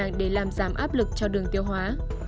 massage bụng nhẹ nhàng để làm giảm áp lực cho đường tiêu hóa